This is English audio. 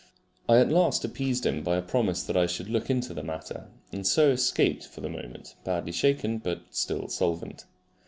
I at last appeased him by a promise that I should look into the matter, and so escaped for the moment, badly shaken but still solvent.